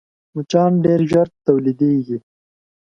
مچان ډېر ژر تولیدېږي